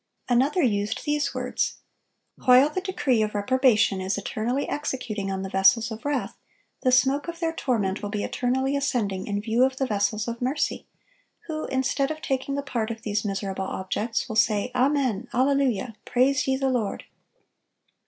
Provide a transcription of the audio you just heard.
Another used these words: "While the decree of reprobation is eternally executing on the vessels of wrath, the smoke of their torment will be eternally ascending in view of the vessels of mercy, who, instead of taking the part of these miserable objects, will say, Amen, Alleluia! praise ye the Lord!"